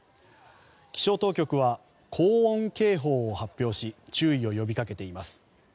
気象当局は、高温警報を発表し注意を呼び掛けています。